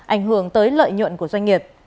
ảnh hưởng tới lợi nhuận của doanh nghiệp